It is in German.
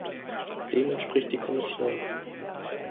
Dem entspricht die Kommission.